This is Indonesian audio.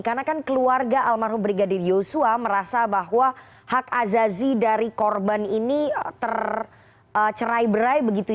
karena kan keluarga almarhum brigadir yosua merasa bahwa hak azazi dari korban ini tercerai berai